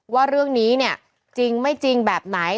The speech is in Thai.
ว่าเรื่องนี้เนี่ยจริงไม่จริงแบบไหน